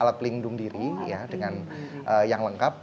alat pelindung diri dengan yang lengkap